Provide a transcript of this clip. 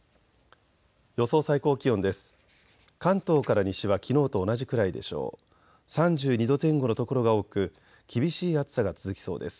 予想最高気温です。